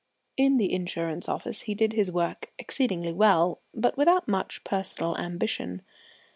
In the insurance office he did his work exceedingly well, but without much personal ambition.